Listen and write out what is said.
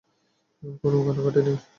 কোনো কান্নাকাটি নয়।